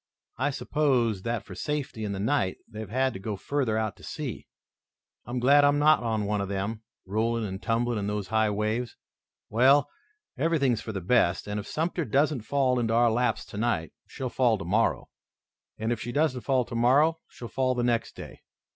I suppose that for safety in the night they've had to go further out to sea. I'm glad I'm not on one of them, rolling and tumbling in those high waves. Well, everything is for the best, and if Sumter doesn't fall into our laps tonight she'll fall tomorrow, and if she doesn't fall tomorrow she'll fall the next day.